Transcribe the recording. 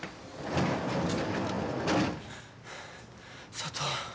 佐都。